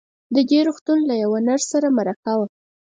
د دې روغتون له يوه نرس سره مرکه وه.